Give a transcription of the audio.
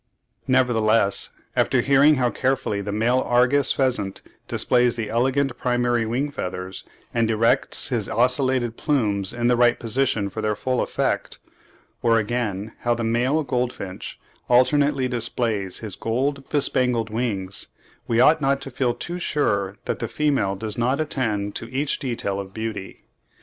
Nevertheless, after hearing how carefully the male Argus pheasant displays his elegant primary wing feathers, and erects his ocellated plumes in the right position for their full effect; or again, how the male goldfinch alternately displays his gold bespangled wings, we ought not to feel too sure that the female does not attend to each detail of beauty.